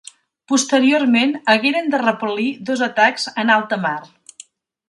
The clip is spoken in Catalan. Posteriorment hagueren de repel·lir dos atacs en alta mar.